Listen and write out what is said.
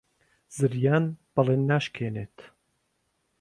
زریان بەڵێن ناشکێنێت.